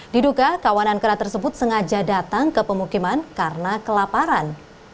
diduga kawanan kera tersebut sengaja datang ke pemukiman karena kelaparan